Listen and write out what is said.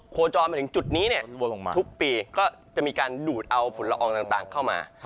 ก็จะมีการดูดเอาฝุ่นละอองต่างเข้ามา